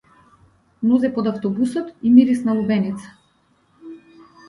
Нозе под автобусот и мирис на лубеница.